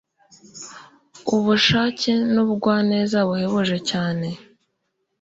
Ubushake nubugwaneza buhebuje cyane